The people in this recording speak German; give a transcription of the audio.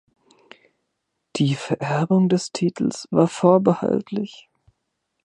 Die Vererbung des Titels war vorbehaltlich.